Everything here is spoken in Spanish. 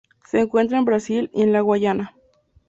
Se encuentra en Brasil y en la Guayana.